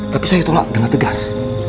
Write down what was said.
tapi saya tolak dengan tegas